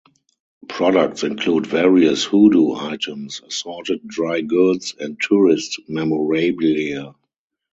Products include various hoodoo items, assorted dry goods, and tourist memorabilia.